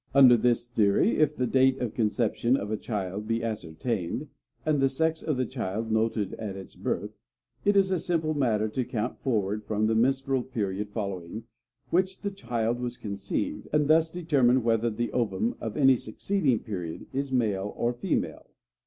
Under this theory if the date of conception of a child be ascertained, and the sex of the child noted at its birth, it is a simple matter to count forward from the menstrual period following which the child was conceived, and thus determine whether the ovum of any succeeding period is male or female.